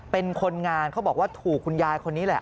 เป็นคนงานเขาบอกว่าถูกคุณยายคนนี้แหละ